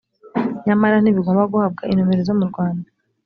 nyamara ntibigomba guhabwa inomero zo mu rwanda